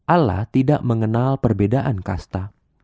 ala tidak mengenal perbedaan kasta